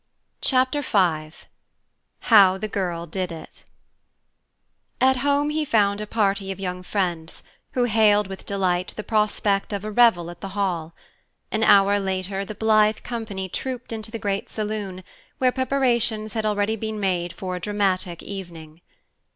Chapter V HOW THE GIRL DID IT At home he found a party of young friends, who hailed with delight the prospect of a revel at the Hall. An hour later, the blithe company trooped into the great saloon, where preparations had already been made for a dramatic evening.